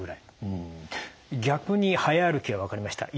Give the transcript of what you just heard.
うん逆に早歩きは分かりました。